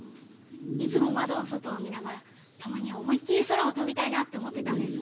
いつも窓の外を見ながらたまには思いっきり空を飛びたいなって思ってたんです。